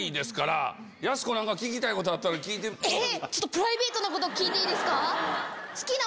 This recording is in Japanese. プライベートなこと聞いていいですか？